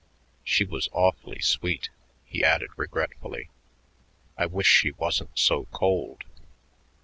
She was awfully sweet," he added regretfully; "I wish she wasn't so cold."